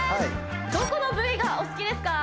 どこの部位がお好きですか？